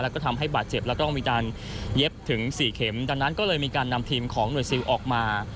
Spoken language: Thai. แล้วก็ทำให้บาดเจ็บและต้องมีการเย็บถึงสี่เข็มดังนั้นก็เลยมีการนำทีมของหน่วยซิลออกมา